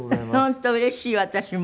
本当うれしい私も。